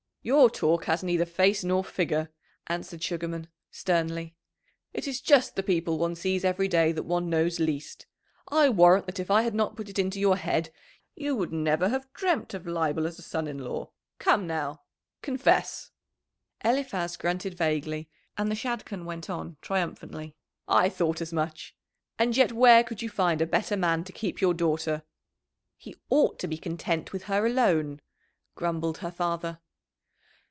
"Your talk has neither face nor figure," answered Sugarman sternly. "It is just the people one sees every day that one knows least. I warrant that if I had not put it into your head you would never have dreamt of Leibel as a son in law. Come now, confess." Eliphaz grunted vaguely, and the Shadchan went on triumphantly. "I thought as much. And yet where could you find a better man to keep your daughter?" "He ought to be content with her alone," grumbled her father.